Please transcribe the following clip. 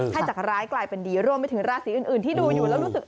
ถ้าจากร้ายกลายเป็นดีรวมไปถึงราศีอื่นที่ดูอยู่แล้วรู้สึก